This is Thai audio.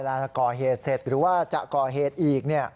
เวลาจะก่อเหตุเสร็จหรือว่าจะก่อเหตุอีกเนี่ย